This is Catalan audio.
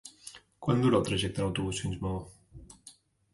Quant dura el trajecte en autobús fins a Maó?